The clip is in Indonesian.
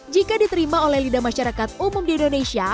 jika diterima oleh lidah masyarakat umum di indonesia